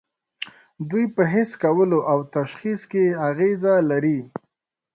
دوی په حس کولو او تشخیص کې اغیزه لري.